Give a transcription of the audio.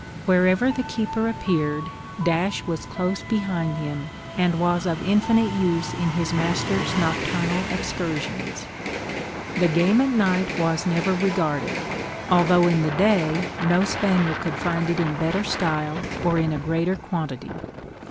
Wherever the keeper appeared Dash was close behind him, and was of infinite use in his master's nocturnal excursions. The game at night was never regarded, although in the day no spaniel could find it in better style, or in a greater quantity.